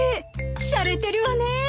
しゃれてるわね！